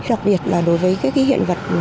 đặc biệt là đối với hiện vật